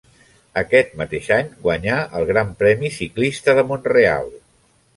Aquest mateix any guanyà el Gran Premi Ciclista de Mont-real.